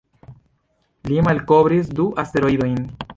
Li malkovris du asteroidojn.